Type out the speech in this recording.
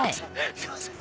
すいません。